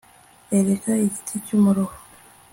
erega igiti cy'umuruho